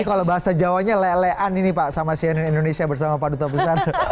ini kalau bahasa jawa nya lelean ini pak sama sianin indonesia bersama pak duta bes